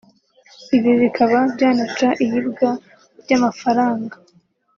Ibi bikaba byanaca iyibwa ry’amafaranga